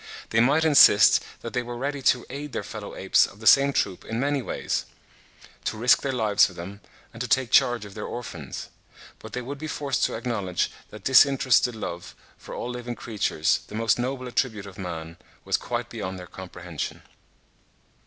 They might insist that they were ready to aid their fellow apes of the same troop in many ways, to risk their lives for them, and to take charge of their orphans; but they would be forced to acknowledge that disinterested love for all living creatures, the most noble attribute of man, was quite beyond their comprehension.